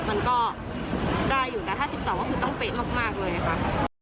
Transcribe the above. มันก็ได้อยู่แต่ถ้าสิบสองคือต้องเป๊ะมากมากเลยนะคะ